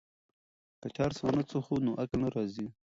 که چرس ونه څښو نو عقل نه ځي.